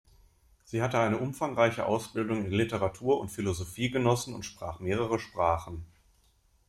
Sie hatte eine umfangreiche Ausbildung in Literatur und Philosophie genossen und sprach mehrere Sprachen.